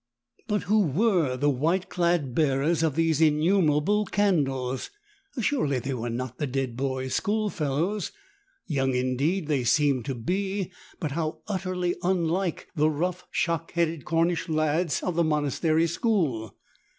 But who were the white clad bearers of these innumerable candles? Surely they were not the dead boy's school fellows! Young indeed they seemed to be, but how utterly unlike the rough, shock headed Cornish lads of the mon astery school.